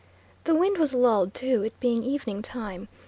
The wind was lulled too, it being evening time.